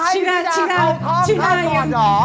ต้องให้ทีนาเข้าท่องให้ก่อนหรอ